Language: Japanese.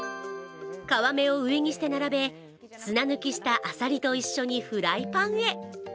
皮目を上にして並べ、砂抜きしたあさりと一緒にフライパンへ。